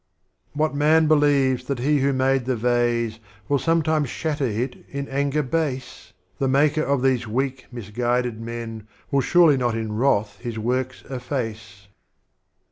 VIII. What man believes that He who made the Vase Will sometime shatter it in Anger base? The Maker of these weak misguided Men, Will surely not in Wrath His Works efface.